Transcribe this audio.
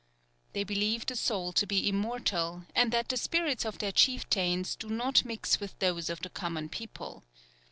They believe the soul to be immortal, and that the spirits of their chieftains do not mix with those of the common people.